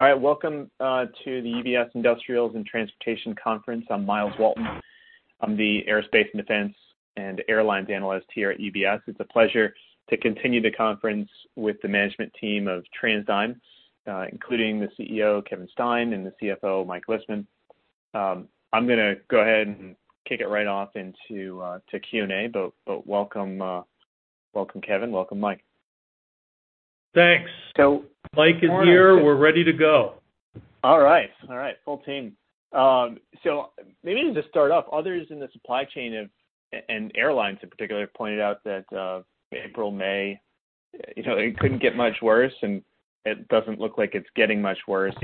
All right. Welcome to the UBS Industrials and Transportation Conference. I'm Myles Walton. I'm the Aerospace and Defense and Airlines Analyst here at UBS. It's a pleasure to continue the conference with the management team of TransDigm, including the CEO, Kevin Stein, and the CFO, Mike Lisman. I'm going to go ahead and kick it right off into Q&A, but welcome, Kevin. Welcome, Mike. Thanks. Good morning. Mike is here. We're ready to go. All right. Full team. Maybe to just start off, others in the supply chain, and airlines in particular, have pointed out that April, May, it couldn't get much worse, and it doesn't look like it's getting much worse.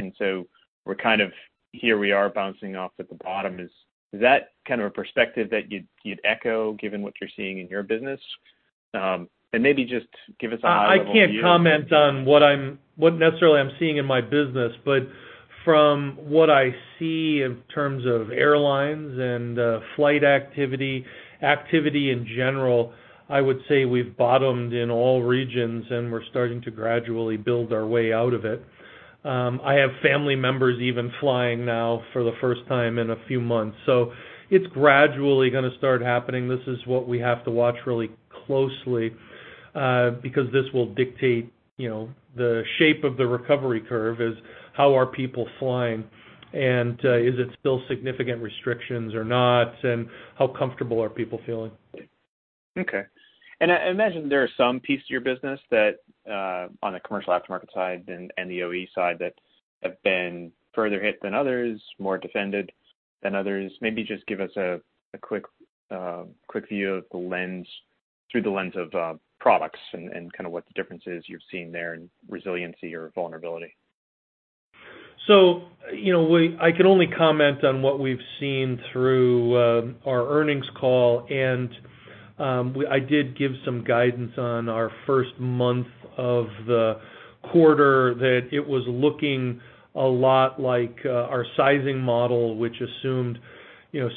We're kind of, here we are bouncing off at the bottom. Is that kind of a perspective that you'd echo, given what you're seeing in your business? Maybe just give us a high level view. I can't comment on what necessarily I'm seeing in my business, but from what I see in terms of airlines and flight activity in general, I would say we've bottomed in all regions, and we're starting to gradually build our way out of it. I have family members even flying now for the first time in a few months, so it's gradually going to start happening. This is what we have to watch really closely, because this will dictate the shape of the recovery curve is how are people flying, and is it still significant restrictions or not, and how comfortable are people feeling? Okay. I imagine there are some pieces of your business that, on the commercial aftermarket side and the OE side, that have been further hit than others, more defended than others. Maybe just give us a quick view through the lens of products and what the difference is you're seeing there in resiliency or vulnerability. I can only comment on what we've seen through our earnings call, and I did give some guidance on our first month of the quarter that it was looking a lot like our sizing model, which assumed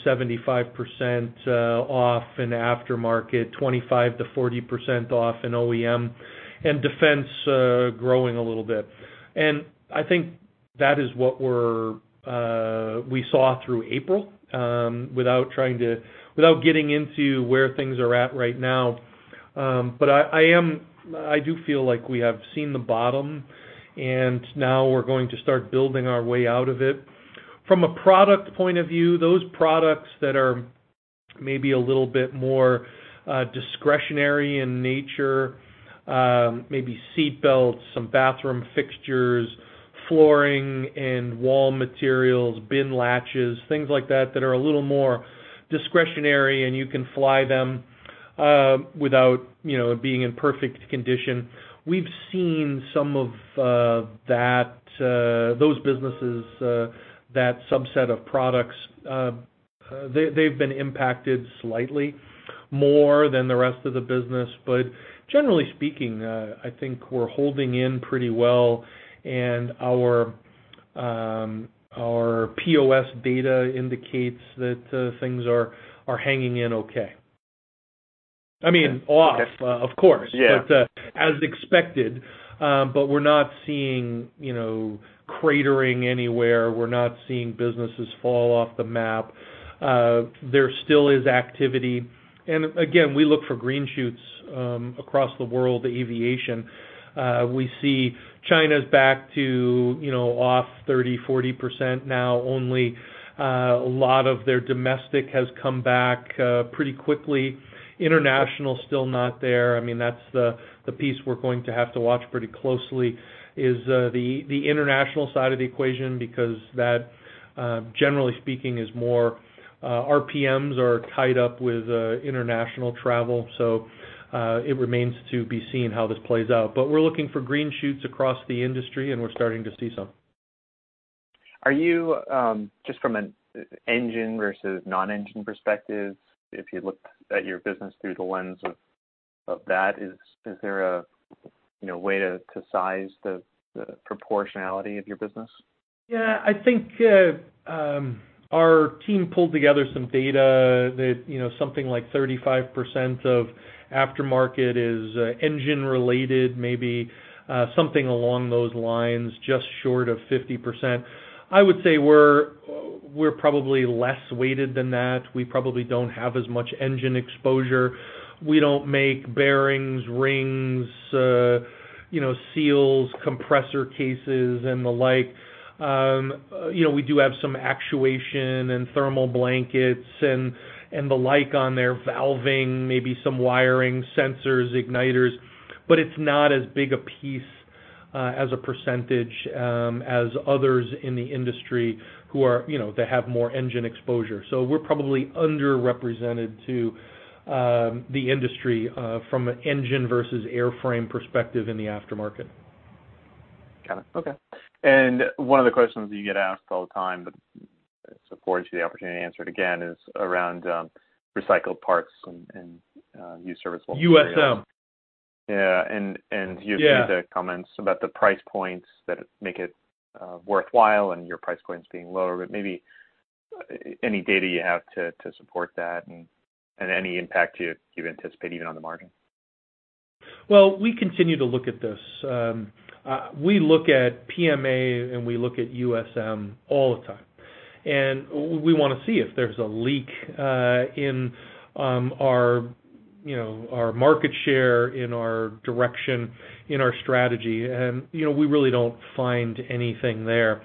75% off in aftermarket, 25%-40% off in OEM, and defense growing a little bit. I think that is what we saw through April, without getting into where things are at right now. I do feel like we have seen the bottom, and now we're going to start building our way out of it. From a product point of view, those products that are maybe a little bit more discretionary in nature, maybe seat belts, some bathroom fixtures, flooring and wall materials, bin latches, things like that are a little more discretionary, and you can fly them without being in perfect condition. We've seen some of those businesses, that subset of products, they've been impacted slightly more than the rest of the business. Generally speaking, I mean, I think we're holding in pretty well, and our POS data indicates that things are hanging in okay. I mean, off, of course. Yeah. As expected. We're not seeing cratering anywhere. We're not seeing businesses fall off the map. There still is activity, and again, we look for green shoots across the world aviation. We see China's back to off 30%, 40% now only. A lot of their domestic has come back pretty quickly. International, still not there. That's the piece we're going to have to watch pretty closely is the international side of the equation, because that, generally speaking, is more RPMs are tied up with international travel. It remains to be seen how this plays out. We're looking for green shoots across the industry, and we're starting to see some. Just from an engine versus non-engine perspective, if you look at your business through the lens of that, is there a way to size the proportionality of your business? Yeah, I think our team pulled together some data that something like 35% of aftermarket is engine-related, maybe something along those lines, just short of 50%. I would say we're probably less weighted than that. We probably don't have as much engine exposure. We don't make bearings, rings, seals, compressor cases, and the like. We do have some actuation and thermal blankets and the like on there, valving, maybe some wiring, sensors, igniters. It's not as big a piece as a percentage as others in the industry who have more engine exposure. We're probably underrepresented to the industry from an engine versus airframe perspective in the aftermarket. Got it. Okay. One of the questions you get asked all the time, but this affords you the opportunity to answer it again, is around recycled parts and used serviceable materials. USM. Yeah. Yeah. You've made the comments about the price points that make it worthwhile and your price points being lower, but maybe any data you have to support that, and any impact you anticipate even on the margin? Well, we continue to look at this. We look at PMA and we look at USM all the time. We want to see if there's a leak in our market share, in our direction, in our strategy, and we really don't find anything there.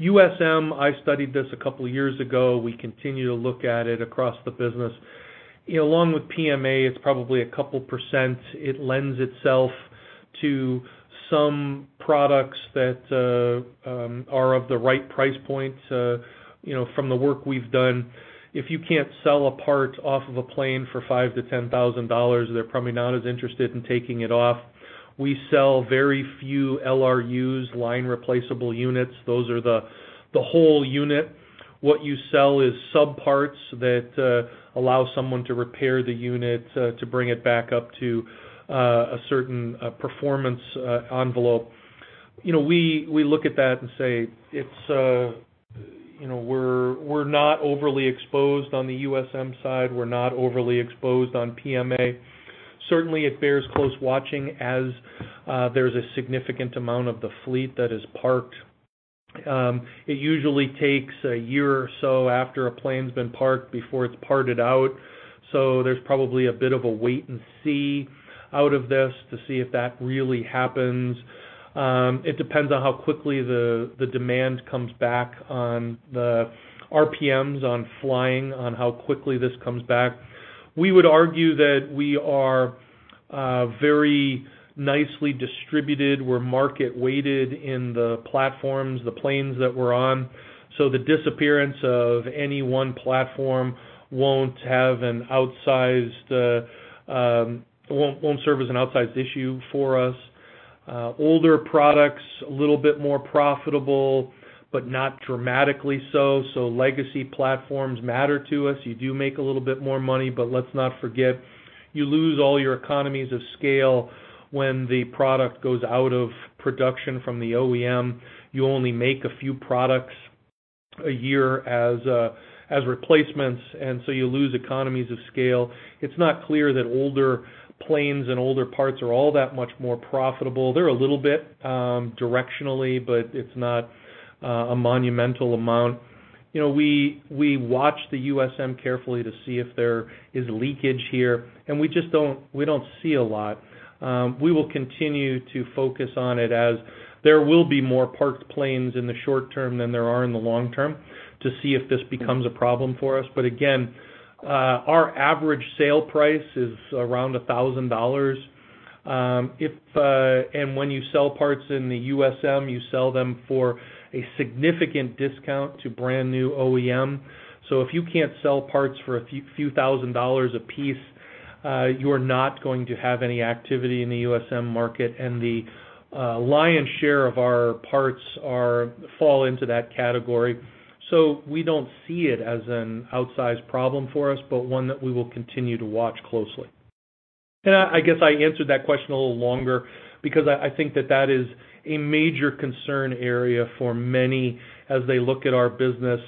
USM, I studied this a couple of years ago, we continue to look at it across the business. Along with PMA, it's probably a couple percent. It lends itself to some products that are of the right price point. From the work we've done, if you can't sell a part off of a plane for $5,000-$10,000, they're probably not as interested in taking it off. We sell very few LRUs, line replaceable units. Those are the whole unit. What you sell is subparts that allow someone to repair the unit to bring it back up to a certain performance envelope. We look at that and say, we're not overly exposed on the USM side. We're not overly exposed on PMA. Certainly, it bears close watching as there's a significant amount of the fleet that is parked. It usually takes a year or so after a plane's been parked before it's parted out, so there's probably a bit of a wait and see out of this to see if that really happens. It depends on how quickly the demand comes back on the RPMs, on flying, on how quickly this comes back. We would argue that we are very nicely distributed, we're market weighted in the platforms, the planes that we're on. The disappearance of any one platform won't serve as an outsized issue for us. Older products, a little bit more profitable, but not dramatically so. Legacy platforms matter to us. You do make a little bit more money, but let's not forget, you lose all your economies of scale when the product goes out of production from the OEM. You only make a few products a year as replacements, and so you lose economies of scale. It's not clear that older planes and older parts are all that much more profitable. They're a little bit, directionally, but it's not a monumental amount. We watch the USM carefully to see if there is leakage here, and we don't see a lot. We will continue to focus on it as there will be more parked planes in the short term than there are in the long term, to see if this becomes a problem for us. Again, our average sale price is around $1,000. If and when you sell parts in the USM, you sell them for a significant discount to brand new OEM. If you can't sell parts for a few thousand dollars a piece, you are not going to have any activity in the USM market, and the lion's share of our parts fall into that category. We don't see it as an outsized problem for us, but one that we will continue to watch closely. I guess I answered that question a little longer because I think that that is a major concern area for many as they look at our business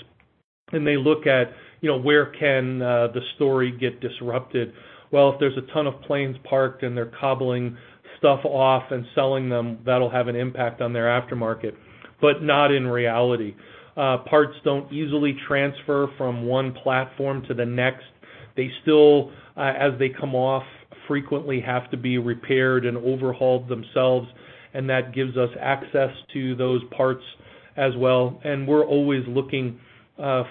and they look at where can the story get disrupted. Well, if there's a ton of planes parked and they're cobbling stuff off and selling them, that'll have an impact on their aftermarket. Not in reality. Parts don't easily transfer from one platform to the next. They still, as they come off, frequently have to be repaired and overhauled themselves, and that gives us access to those parts as well, and we're always looking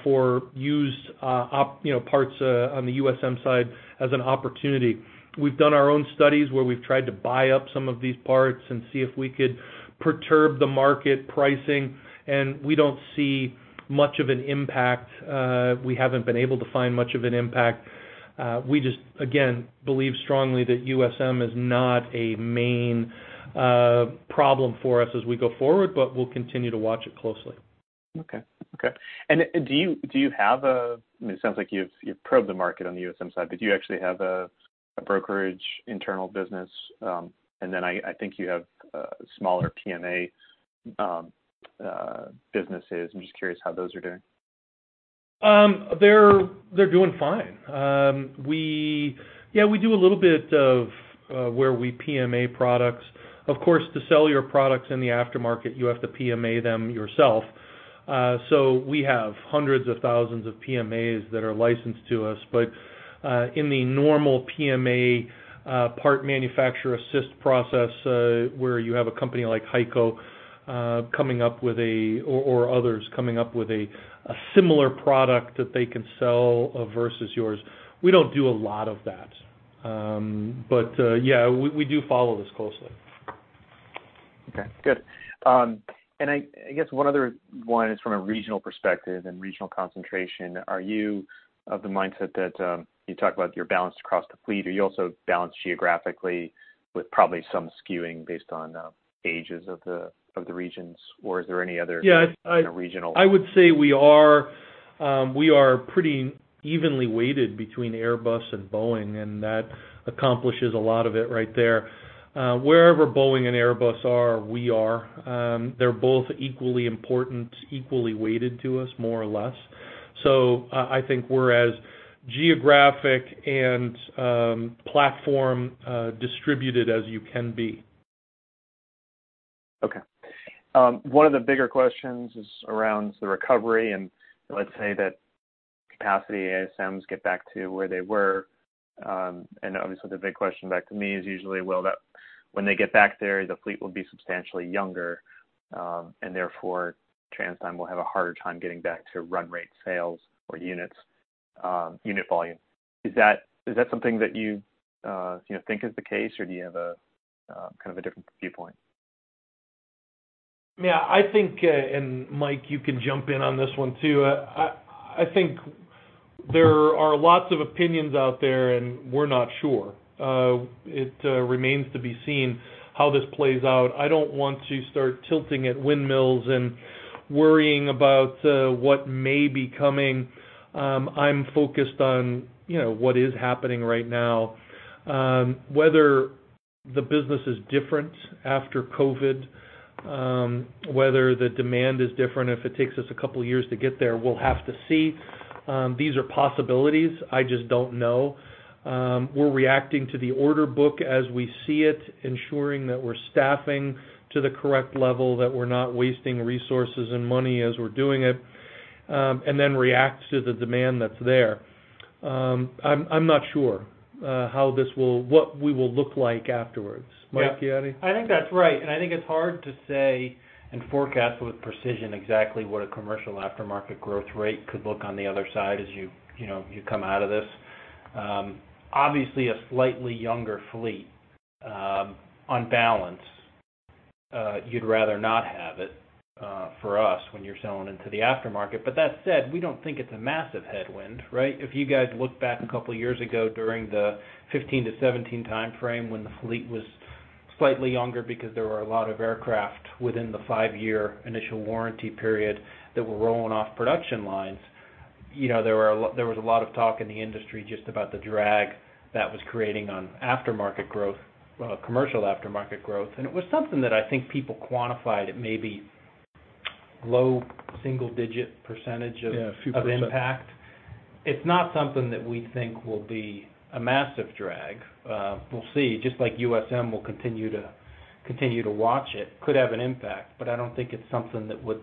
for used parts on the USM side as an opportunity. We've done our own studies where we've tried to buy up some of these parts and see if we could perturb the market pricing, and we don't see much of an impact. We haven't been able to find much of an impact. We just, again, believe strongly that USM is not a main problem for us as we go forward, but we'll continue to watch it closely. Okay. Do you have I mean, it sounds like you've probed the market on the USM side, but do you actually have a brokerage internal business? I think you have smaller PMA businesses. I'm just curious how those are doing. They're doing fine. We do a little bit of where we PMA products. Of course, to sell your products in the aftermarket, you have to PMA them yourself. We have hundreds of thousands of PMAs that are licensed to us. In the normal PMA part manufacturer assist process, where you have a company like HEICO, coming up with or others coming up with a similar product that they can sell versus yours, we don't do a lot of that. Yeah, we do follow this closely. Okay, good. I guess one other one is from a regional perspective and regional concentration. Are you of the mindset that you talk about you're balanced across the fleet? Are you also balanced geographically with probably some skewing based on ages of the regions, or is there any other? Yeah. Regional. I would say we are pretty evenly weighted between Airbus and Boeing, and that accomplishes a lot of it right there. Wherever Boeing and Airbus are, we are. They're both equally important, equally weighted to us, more or less. I think we're as geographic and platform distributed as you can be. Okay. One of the bigger questions is around the recovery. Let's say that capacity ASMs get back to where they were. Obviously the big question back to me is usually, well, when they get back there, the fleet will be substantially younger, and therefore TransDigm will have a harder time getting back to run rate sales or unit volume. Is that something that you think is the case, or do you have a different viewpoint? Yeah, I think, and Mike, you can jump in on this one too, I think there are lots of opinions out there, and we're not sure. It remains to be seen how this plays out. I don't want to start tilting at windmills and worrying about what may be coming. I'm focused on what is happening right now. Whether the business is different after COVID, whether the demand is different, if it takes us a couple of years to get there, we'll have to see. These are possibilities. I just don't know. We're reacting to the order book as we see it, ensuring that we're staffing to the correct level, that we're not wasting resources and money as we're doing it, and then react to the demand that's there. I'm not sure what we will look like afterwards. Mike, you got any? I think that's right, and I think it's hard to say and forecast with precision exactly what a commercial aftermarket growth rate could look on the other side as you come out of this. Obviously, a slightly younger fleet, on balance, you'd rather not have it for us when you're selling into the aftermarket. That said, we don't think it's a massive headwind. Right? If you guys look back a couple years ago during the 2015-2017 timeframe when the fleet was slightly younger because there were a lot of aircraft within the five year initial warranty period that were rolling off production lines. There was a lot of talk in the industry just about the drag that was creating on commercial aftermarket growth, It was something that I think people quantified at maybe low single-digit percentage of impact. Yeah, a few percent. It's not something that we think will be a massive drag. We'll see, just like USM, we'll continue to watch it, could have an impact, but I don't think it's something that would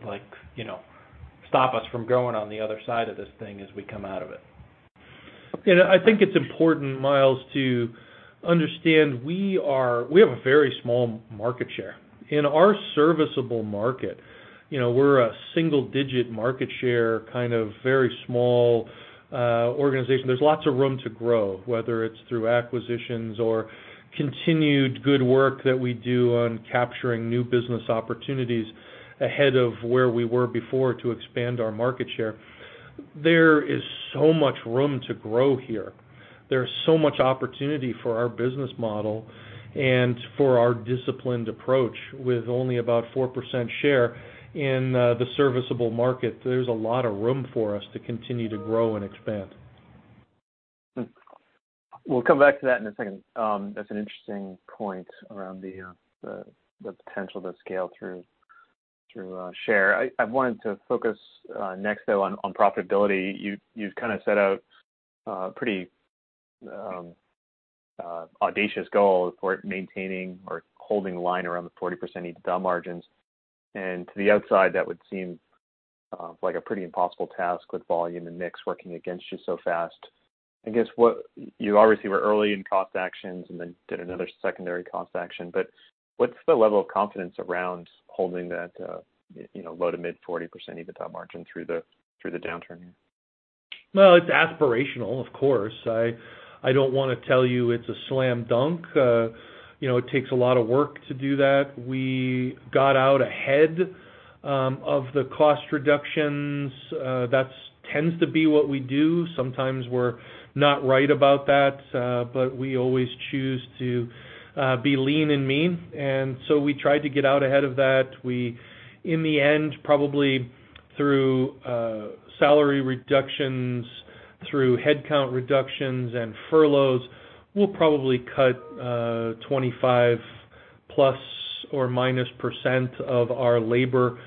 stop us from growing on the other side of this thing as we come out of it. I think it's important, Myles, to understand we have a very small market share. In our serviceable market, we're a single-digit market share, very small organization. There's lots of room to grow, whether it's through acquisitions or continued good work that we do on capturing new business opportunities ahead of where we were before to expand our market share. There is so much room to grow here. There's so much opportunity for our business model and for our disciplined approach with only about 4% share in the serviceable market. There's a lot of room for us to continue to grow and expand. We'll come back to that in a second. That's an interesting point around the potential to scale through share. I wanted to focus next, though, on profitability. You've set out pretty audacious goals for maintaining or holding the line around the 40% EBITDA margins. To the outside, that would seem like a pretty impossible task with volume and mix working against you so fast. I guess you obviously were early in cost actions and then did another secondary cost action. What's the level of confidence around holding that low to mid 40% EBITDA margin through the downturn here? Well, it's aspirational, of course. I don't want to tell you it's a slam dunk. It takes a lot of work to do that. We got out ahead of the cost reductions. That tends to be what we do. Sometimes we're not right about that, but we always choose to be lean and mean. We tried to get out ahead of that. In the end, probably through salary reductions, through headcount reductions, and furloughs, we'll probably cut 25%± of our labor.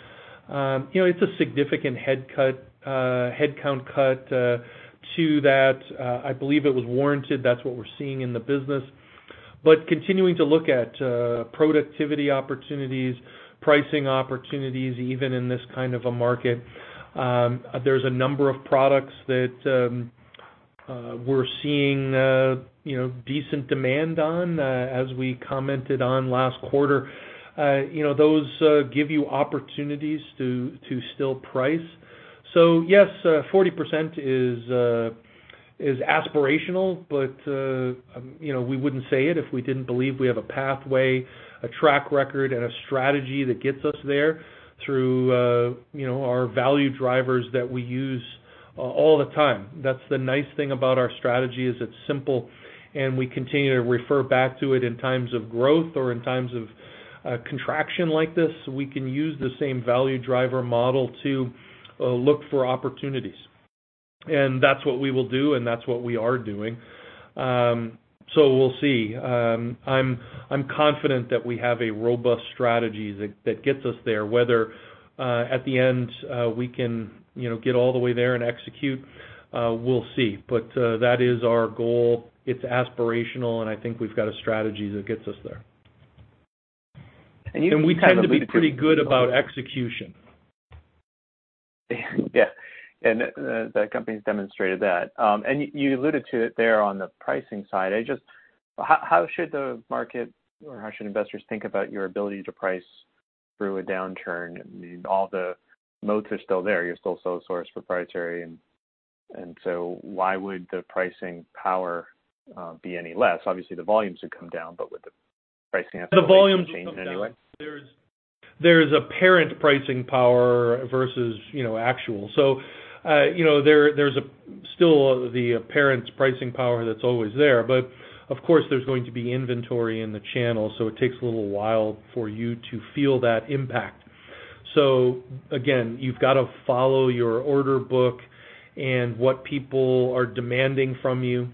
It's a significant headcount cut to that. I believe it was warranted. That's what we're seeing in the business, continuing to look at productivity opportunities, pricing opportunities, even in this kind of a market. There's a number of products that we're seeing decent demand on, as we commented on last quarter. Those give you opportunities to still price. Yes, 40% is aspirational, but we wouldn't say it if we didn't believe we have a pathway, a track record, and a strategy that gets us there through our value drivers that we use all the time. That's the nice thing about our strategy is it's simple, and we continue to refer back to it in times of growth or in times of contraction like this. We can use the same value driver model to look for opportunities. That's what we will do, and that's what we are doing. We'll see. I'm confident that we have a robust strategy that gets us there. Whether at the end we can get all the way there and execute, we'll see. That is our goal. It's aspirational, and I think we've got a strategy that gets us there. And you. We tend to be pretty good about execution. Yeah. The company's demonstrated that. You alluded to it there on the pricing side. How should the market or how should investors think about your ability to price through a downturn? All the modes are still there. You're still sole source proprietary. Why would the pricing power be any less? Obviously, the volumes would come down, but would the pricing have to change in any way? The volumes will come down. There is apparent pricing power versus actual. There's still the apparent pricing power that's always there. Of course, there's going to be inventory in the channel, so it takes a little while for you to feel that impact. Again, you've got to follow your order book and what people are demanding from you,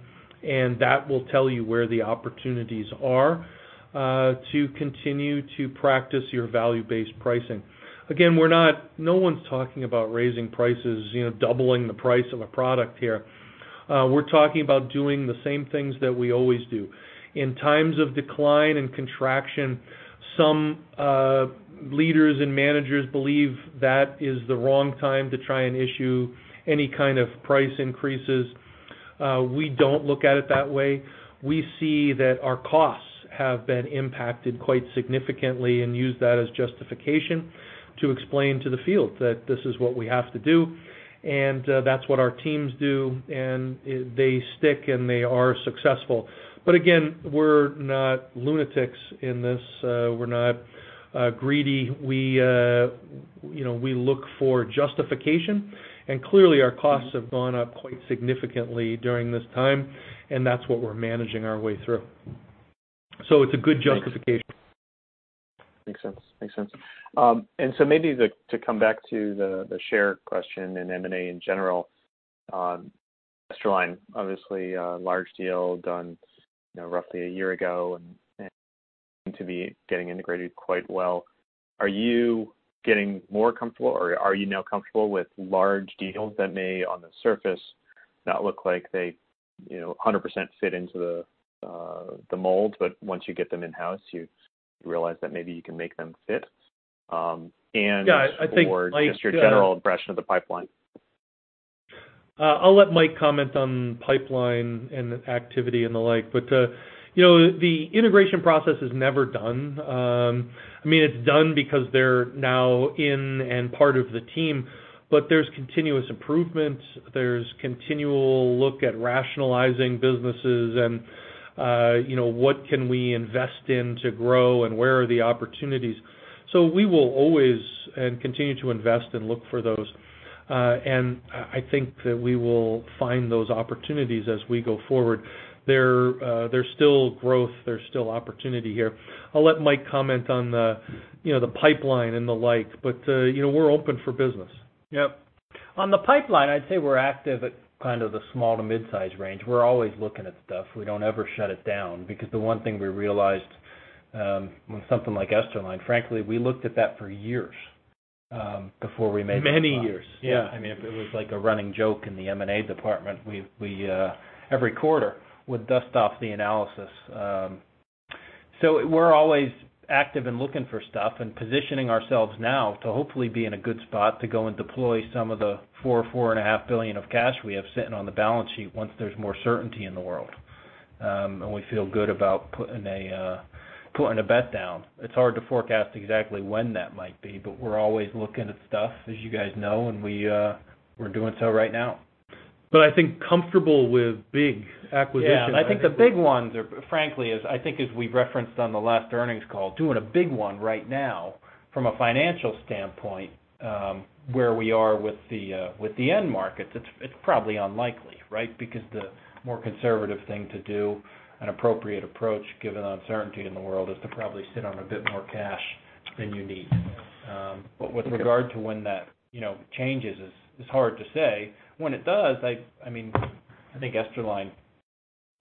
and that will tell you where the opportunities are to continue to practice your value-based pricing. Again, no one's talking about raising prices, doubling the price of a product here. We're talking about doing the same things that we always do. In times of decline and contraction, some leaders and managers believe that is the wrong time to try and issue any kind of price increases. We don't look at it that way. We see that our costs have been impacted quite significantly and use that as justification to explain to the field that this is what we have to do, and that's what our teams do, and they stick, and they are successful. Again, we're not lunatics in this. We're not greedy. We look for justification, and clearly our costs have gone up quite significantly during this time, and that's what we're managing our way through. It's a good justification. Makes sense. Maybe to come back to the share question and M&A in general. Esterline, obviously a large deal done roughly a year ago and seem to be getting integrated quite well. Are you getting more comfortable, or are you now comfortable with large deals that may, on the surface, not look like they 100% fit into the mold, but once you get them in-house, you realize that maybe you can make them fit? Yeah. Just your general impression of the pipeline. I'll let Mike comment on pipeline and activity and the like. The integration process is never done. It's done because they're now in and part of the team, but there's continuous improvement. There's continual look at rationalizing businesses and what can we invest in to grow and where are the opportunities. We will always and continue to invest and look for those. I think that we will find those opportunities as we go forward. There's still growth, there's still opportunity here. I'll let Mike comment on the pipeline and the like, but we're open for business. Yep. On the pipeline, I'd say we're active at kind of the small to mid-size range. We're always looking at stuff. We don't ever shut it down because the one thing we realized with something like Esterline, frankly, we looked at that for years before we made that call. Many years. Yeah. It was like a running joke in the M&A department. Every quarter, we'd dust off the analysis. We're always active and looking for stuff and positioning ourselves now to hopefully be in a good spot to go and deploy some of the $4 billion or $4.5 billion of cash we have sitting on the balance sheet once there's more certainty in the world, and we feel good about putting a bet down. It's hard to forecast exactly when that might be, but we're always looking at stuff, as you guys know, and we're doing so right now. I think comfortable with big acquisitions. Yeah. I think the big ones are, frankly, as I think as we've referenced on the last earnings call, doing a big one right now from a financial standpoint, where we are with the end markets, it's probably unlikely, right? The more conservative thing to do, an appropriate approach given the uncertainty in the world, is to probably sit on a bit more cash than you need. With regard to when that changes is hard to say. When it does, I think Esterline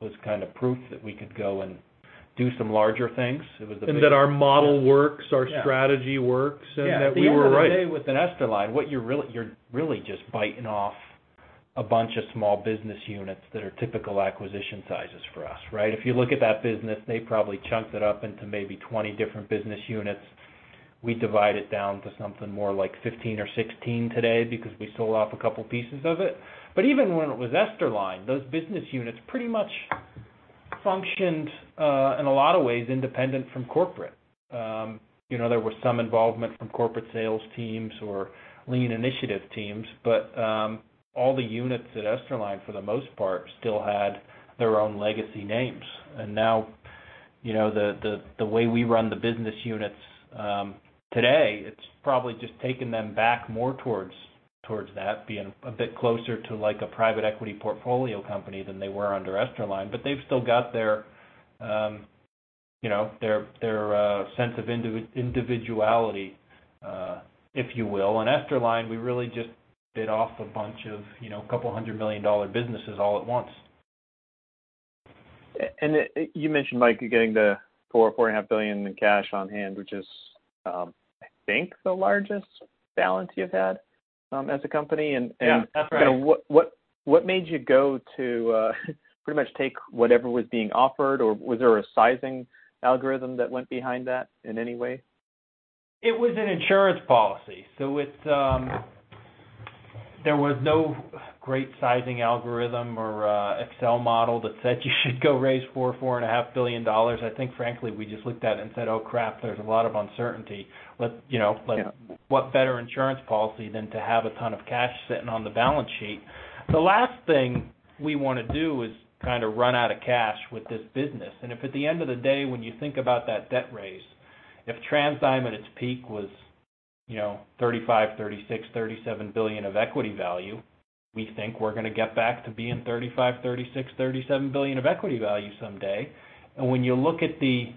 was kind of proof that we could go and do some larger things. That our model works. Yeah. Our strategy works and that we were right. Yeah. At the end of the day with an Esterline, you're really just biting off a bunch of small business units that are typical acquisition sizes for us, right? If you look at that business, they probably chunked it up into maybe 20 different business units. We divide it down to something more like 15 or 16 today because we sold off a couple pieces of it. Even when it was Esterline, those business units pretty much functioned, in a lot of ways, independent from corporate. There was some involvement from corporate sales teams or lean initiative teams, all the units at Esterline, for the most part, still had their own legacy names. Now, the way we run the business units today, it's probably just taken them back more towards that, being a bit closer to a private equity portfolio company than they were under Esterline. They've still got. Their sense of individuality, if you will. Esterline, we really just bid off a bunch of couple $100 million businesses all at once. You mentioned, Mike, you're getting the $4 or $4.5 billion in cash on hand, which is, I think, the largest balance you've had as a company. Yeah, that's right. What made you go to pretty much take whatever was being offered? Was there a sizing algorithm that went behind that in any way? It was an insurance policy. There was no great sizing algorithm or Excel model that said you should go raise $4 billion or $4.5 billion. I think, frankly, we just looked at it and said, "Oh, crap, there's a lot of uncertainty." What better insurance policy than to have a ton of cash sitting on the balance sheet? The last thing we want to do is run out of cash with this business. If at the end of the day, when you think about that debt raise, if TransDigm at its peak was $35 billion, $36 billion, $37 billion of equity value, we think we're going to get back to being $35 billion, $36 billion, $37 billion of equity value someday. When you look at the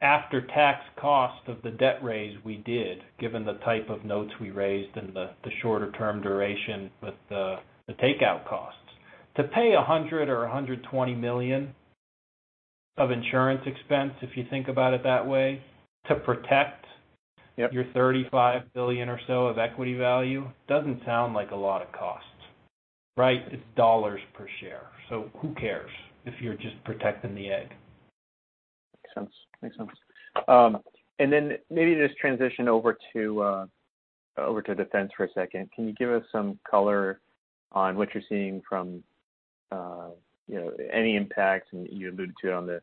after-tax cost of the debt raise we did, given the type of notes we raised and the shorter term duration with the takeout costs, to pay $100 million or $120 million of insurance expense, if you think about it that way, to protect your $35 billion or so of equity value doesn't sound like a lot of cost, right? It's dollars per share. Who cares if you're just protecting the egg? Makes sense. Then maybe just transition over to defense for a second. Can you give us some color on what you're seeing from any impact, and you alluded to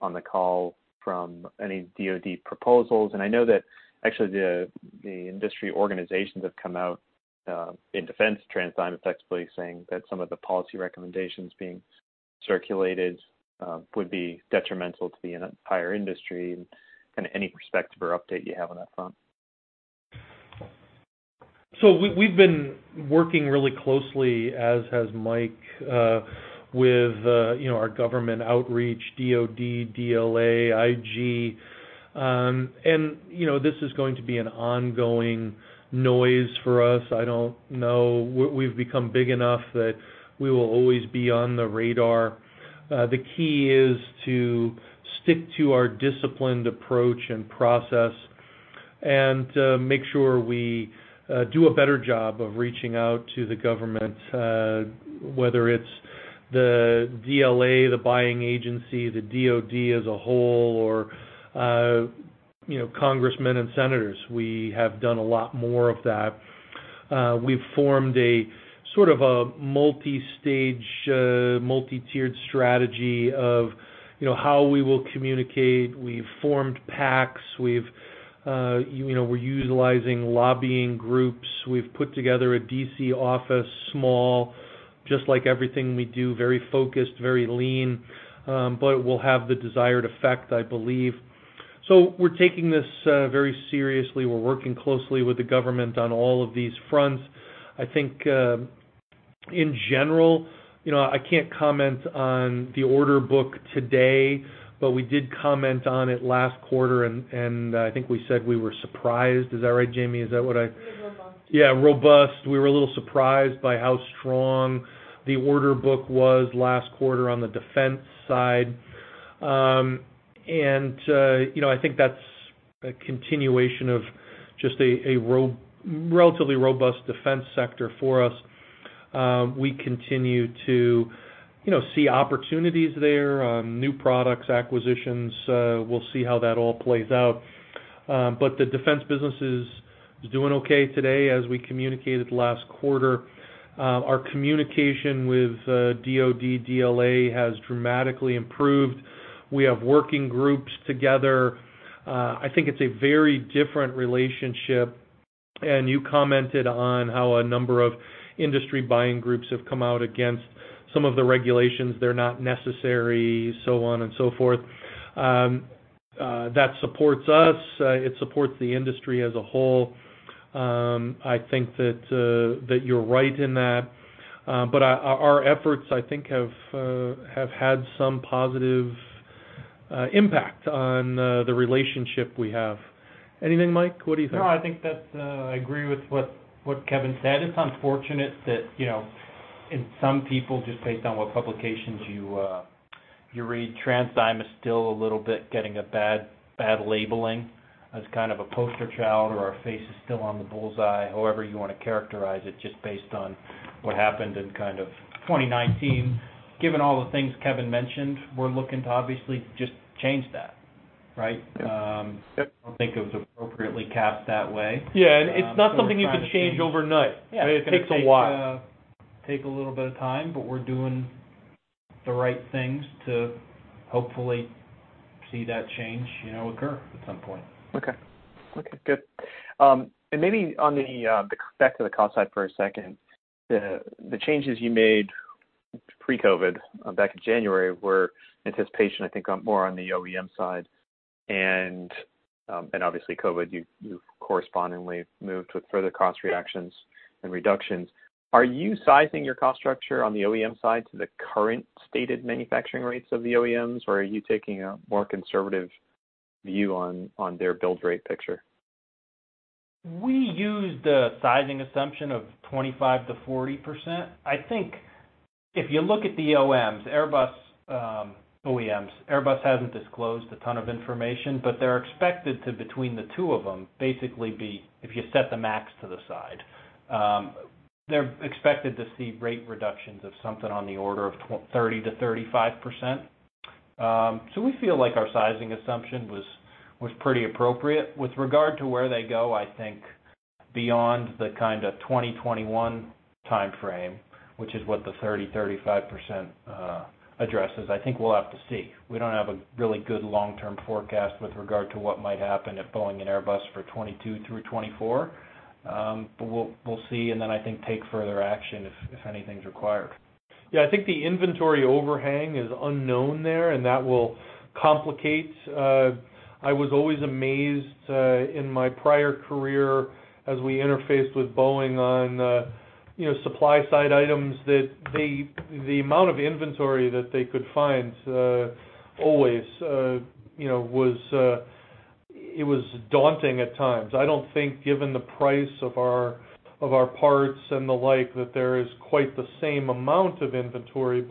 on the call from any DoD proposals? I know that, actually, the industry organizations have come out, in defense, TransDigm effectively saying that some of the policy recommendations being circulated would be detrimental to the entire industry, and any perspective or update you have on that front. We've been working really closely, as has Mike, with our government outreach, DoD, DLA, IG. This is going to be an ongoing noise for us. I don't know. We've become big enough that we will always be on the radar. The key is to stick to our disciplined approach and process, and make sure we do a better job of reaching out to the government, whether it's the DLA, the buying agency, the DoD as a whole or congressmen and senators. We have done a lot more of that. We've formed a sort of a multi-stage, multi-tiered strategy of how we will communicate. We've formed PACs. We're utilizing lobbying groups. We've put together a D.C. office, small, just like everything we do, very focused, very lean. It will have the desired effect, I believe. We're taking this very seriously. We're working closely with the government on all of these fronts. I think, in general, I can't comment on the order book today, but we did comment on it last quarter, and I think we said we were surprised. Is that right, Jaimie? We said robust. Yeah, robust. We were a little surprised by how strong the order book was last quarter on the defense side. I think that's a continuation of just a relatively robust defense sector for us. We continue to see opportunities there, new products, acquisitions. We'll see how that all plays out. The defense business is doing okay today, as we communicated last quarter. Our communication with DoD, DLA has dramatically improved. We have working groups together. I think it's a very different relationship, you commented on how a number of industry buying groups have come out against some of the regulations, they're not necessary, so on and so forth. That supports us. It supports the industry as a whole. I think that you're right in that. Our efforts, I think, have had some positive impact on the relationship we have. Anything, Mike? What do you think? I think that I agree with what Kevin said. It's unfortunate that in some people, just based on what publications you read, TransDigm is still a little bit getting a bad labeling as kind of a poster child or our face is still on the bullseye, however you want to characterize it, just based on what happened in kind of 2019. Given all the things Kevin mentioned, we're looking to obviously just change that, right? Yep. I don't think it was appropriately cast that way. Yeah, it's not something you can change overnight. Yeah. It takes a while. It's going to take a little bit of time, but we're doing the right things to hopefully see that change occur at some point. Okay. Good. Maybe on the back to the cost side for a second. The changes you made pre-COVID, back in January, were anticipation, I think, more on the OEM side. Obviously COVID, you've correspondingly moved with further cost reductions. Are you sizing your cost structure on the OEM side to the current stated manufacturing rates of the OEMs, or are you taking a more conservative view on their build rate picture? We use the sizing assumption of 25%-40%. I think if you look at the OEMs, Airbus hasn't disclosed a ton of information, but they're expected to, between the two of them, basically be, if you set the MAX to the side, they're expected to see rate reductions of something on the order of 30%-35%. We feel like our sizing assumption was pretty appropriate. With regard to where they go, I think beyond the kind of 2021 timeframe, which is what the 30%, 35% addresses, I think we'll have to see. We don't have a really good long-term forecast with regard to what might happen at Boeing and Airbus for 2022 through 2024. We'll see, and then I think take further action if anything's required. Yeah. I think the inventory overhang is unknown there, and that will complicate. I was always amazed in my prior career as we interfaced with Boeing on supply side items that the amount of inventory that they could find always, it was daunting at times. I don't think given the price of our parts and the like, that there is quite the same amount of inventory,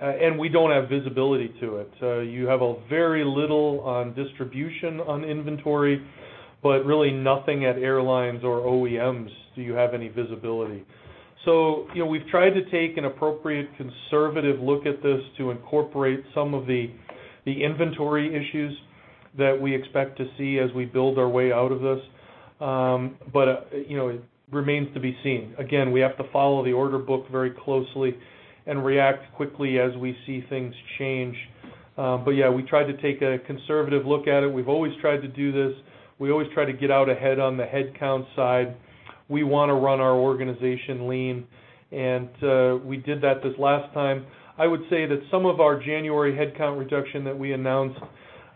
and we don't have visibility to it. You have a very little on distribution on inventory, but really nothing at airlines or OEMs do you have any visibility. We've tried to take an appropriate conservative look at this to incorporate some of the inventory issues that we expect to see as we build our way out of this. It remains to be seen. Again, we have to follow the order book very closely and react quickly as we see things change. Yeah, we tried to take a conservative look at it. We've always tried to do this. We always try to get out ahead on the headcount side. We want to run our organization lean, and we did that this last time. I would say that some of our January headcount reduction that we announced,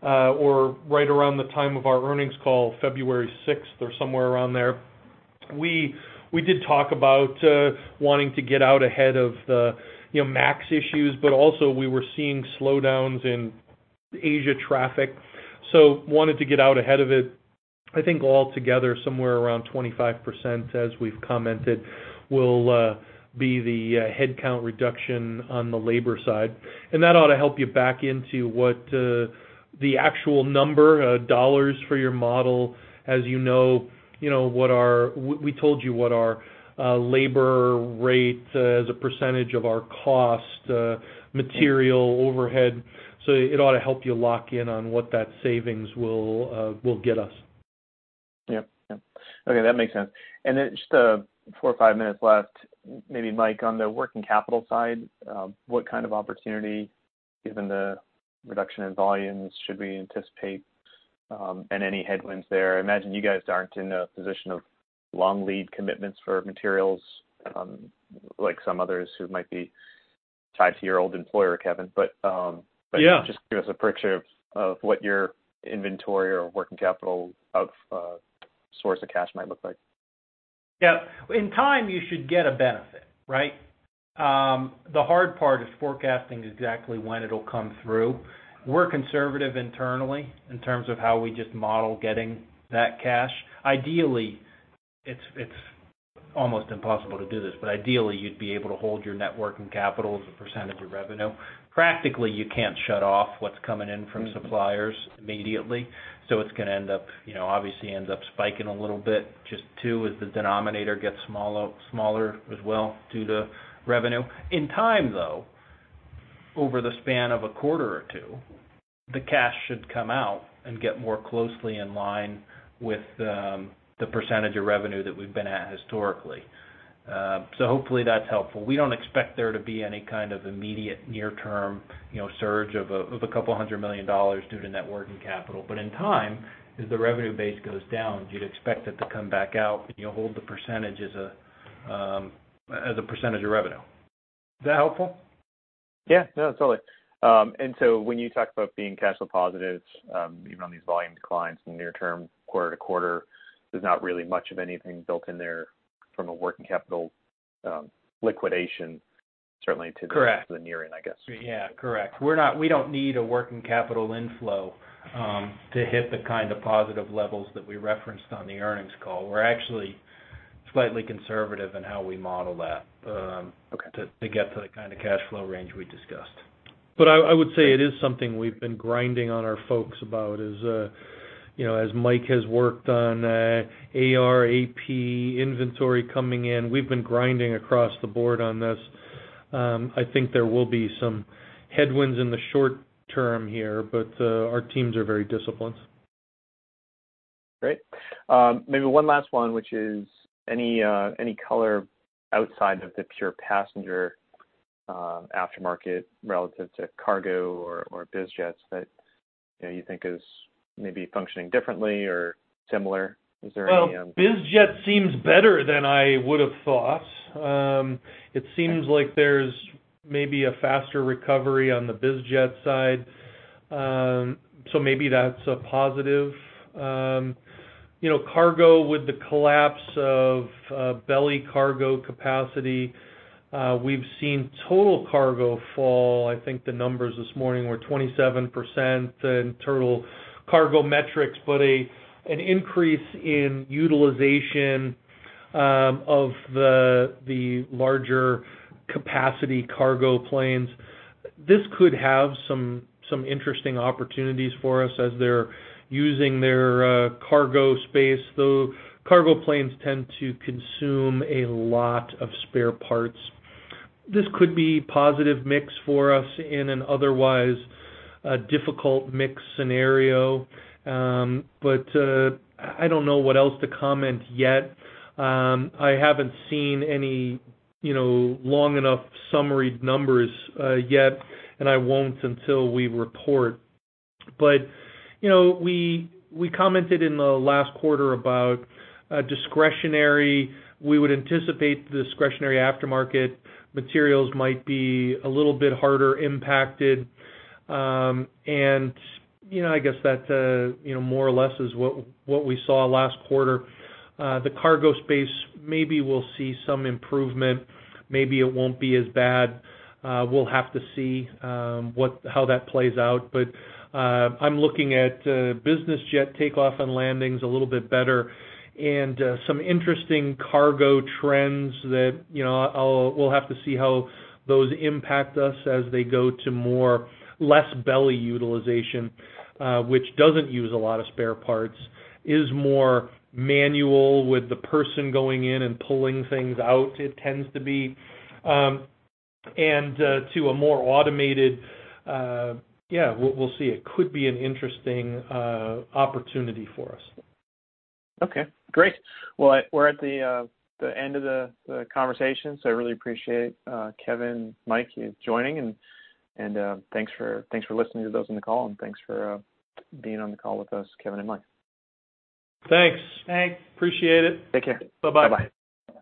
or right around the time of our earnings call, February 6th or somewhere around there, we did talk about wanting to get out ahead of the MAX issues, but also we were seeing slowdowns in Asia traffic, so wanted to get out ahead of it. I think all together, somewhere around 25%, as we've commented, will be the headcount reduction on the labor side. That ought to help you back into what the actual number of dollars for your model, as you know, we told you what our labor rate as a percentage of our cost, material, overhead. It ought to help you lock in on what that savings will get us. Yep. Okay. That makes sense. Just four or five minutes left, maybe Mike, on the working capital side, what kind of opportunity, given the reduction in volumes, should we anticipate, and any headwinds there? I imagine you guys aren't in a position of long lead commitments for materials, like some others who might be tied to your old employer, Kevin. Yeah. Just give us a picture of what your inventory or working capital of source of cash might look like. Yeah. In time, you should get a benefit, right? The hard part is forecasting exactly when it'll come through. We're conservative internally in terms of how we just model getting that cash. Ideally, it's almost impossible to do this, but ideally, you'd be able to hold your net working capital as a percentage of revenue. Practically, you can't shut off what's coming in from suppliers immediately, so it's obviously ends up spiking a little bit just too, as the denominator gets smaller as well due to revenue. In time, though, over the span of a quarter or two, the cash should come out and get more closely in line with the percentage of revenue that we've been at historically. Hopefully that's helpful. We don't expect there to be any kind of immediate near-term surge of a couple hundred million dollars due to net working capital. In time, as the revenue base goes down, you'd expect it to come back out and you'll hold the percentage as a percentage of revenue. Is that helpful? Yeah. No, totally. When you talk about being cash flow positives, even on these volume declines in the near term, quarter to quarter, there's not really much of anything built in there from a working capital liquidation. Correct. To the near end, I guess. Yeah. Correct. We don't need a working capital inflow to hit the kind of positive levels that we referenced on the earnings call. We're actually slightly conservative in how we model that. Okay. To get to the kind of cash flow range we discussed. I would say it is something we've been grinding on our folks about is, as Mike has worked on AR, AP, inventory coming in, we've been grinding across the board on this. I think there will be some headwinds in the short term here, but our teams are very disciplined. Great. Maybe one last one, which is, any color outside of the pure passenger aftermarket relative to cargo or biz jets that you think is maybe functioning differently or similar? Is there any? Bizjet seems better than I would've thought. It seems like there's maybe a faster recovery on the bizjet side. Maybe that's a positive. Cargo, with the collapse of belly cargo capacity, we've seen total cargo fall. I think the numbers this morning were 27% in total cargo metrics, but an increase in utilization of the larger capacity cargo planes. This could have some interesting opportunities for us as they're using their cargo space, though cargo planes tend to consume a lot of spare parts. This could be positive mix for us in an otherwise difficult mix scenario. I don't know what else to comment yet. I haven't seen any long enough summary numbers yet, and I won't until we report. We commented in the last quarter about discretionary. We would anticipate the discretionary aftermarket materials might be a little bit harder impacted. I guess that more or less is what we saw last quarter. The cargo space maybe will see some improvement. Maybe it won't be as bad. We'll have to see how that plays out. I'm looking at business jet takeoff and landings a little bit better and some interesting cargo trends that we'll have to see how those impact us as they go to less belly utilization, which doesn't use a lot of spare parts, is more manual with the person going in and pulling things out, it tends to be, and to a more automated. Yeah, we'll see. It could be an interesting opportunity for us. Okay, great. Well, we're at the end of the conversation. I really appreciate, Kevin, Mike, you joining and thanks for listening to those in the call, and thanks for being on the call with us, Kevin and Mike. Thanks. Thanks. Appreciate it. Take care. Bye-bye. Bye-bye.